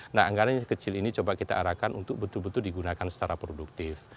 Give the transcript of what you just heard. nah anggaran yang kecil ini coba kita arahkan untuk betul betul digunakan secara produktif